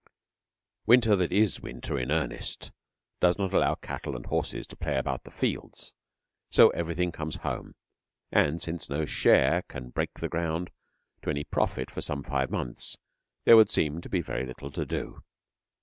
Winter that is winter in earnest does not allow cattle and horses to play about the fields, so everything comes home; and since no share can break ground to any profit for some five months, there would seem to be very little to do.